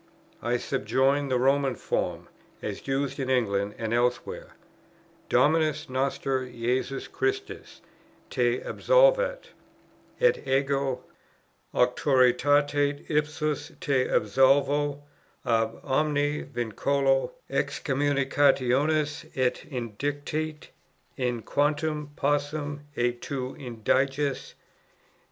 I subjoin the Roman form, as used in England and elsewhere: "Dominus noster Jesus Christus te absolvat; et ego auctoritate ipsius te absolvo, ab omni vinculo excommunicationis et interdicti, in quantum possum et tu indiges.